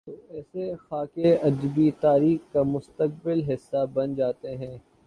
توایسے خاکے ادبی تاریخ کا مستقل حصہ بن جا تے ہیں۔